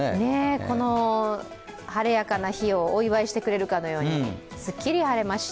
この晴れやかな日をお祝いしてくれるかのようにすっきり晴れまして。